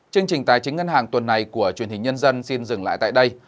chương trình tài chính ngân hàng tuần này của truyền hình nhân dân xin dừng lại tại đây